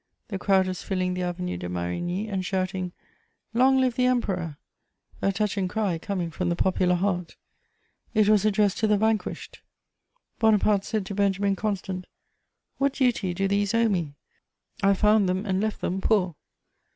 The crowd was filling the Avenue de Marigny and shouting, "Long live the Emperor!" a touching cry coming from the popular heart: it was addressed to the vanquished! Bonaparte said to Benjamin Constant: "What duty do these owe me? I found them and left them poor."